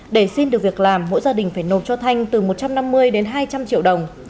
để xin được việc làm mỗi gia đình phải nộp cho thanh từ một trăm năm mươi đến hai trăm linh triệu đồng